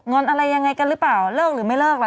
อนอะไรยังไงกันหรือเปล่าเลิกหรือไม่เลิกล่ะ